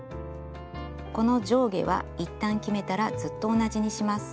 この上下は一旦決めたらずっと同じにします。